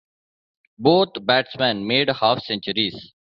Both batsmen made half-centuries.